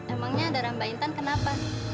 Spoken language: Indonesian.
emangnya darah mbak intan kenapa